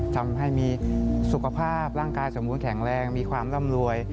ทำให้มีสุขภาพร่างกายสมบูรณแข็งแรงมีความร่ำรวย